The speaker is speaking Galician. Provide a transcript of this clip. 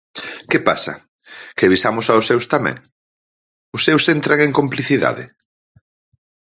¿Que pasa?, ¿que avisamos aos seus tamén?, ¿os seus entran en complicidade?